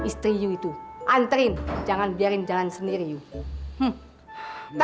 satria yang sabar ya satria